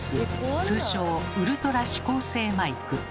通称ウルトラ指向性マイク。